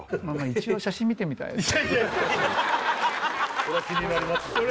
一応それは気になりますよね